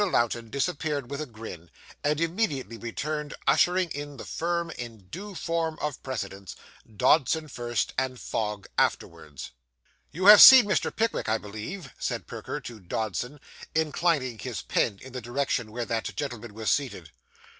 Lowten disappeared with a grin, and immediately returned ushering in the firm, in due form of precedence Dodson first, and Fogg afterwards. 'You have seen Mr. Pickwick, I believe?' said Perker to Dodson, inclining his pen in the direction where that gentleman was seated.